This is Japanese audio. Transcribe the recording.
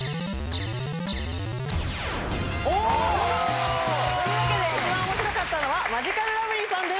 おおー！というわけで一番面白かったのはマヂカルラブリーさんです。